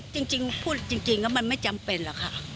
จริงพูดจริงแล้วมันไม่จำเป็นหรอกค่ะ